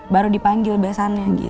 baru dipanggil besannya